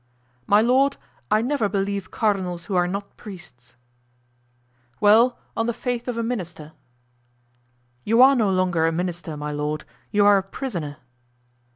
"My lord, I never believe cardinals who are not priests." "Well, on the faith of a minister." "You are no longer a minister, my lord; you are a prisoner."